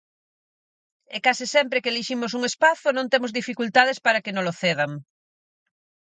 E case sempre que eliximos un espazo, non temos dificultades para que nolo cedan.